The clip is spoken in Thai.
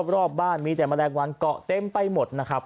รอบบ้านมีแต่แมลงวันเกาะเต็มไปหมดนะครับ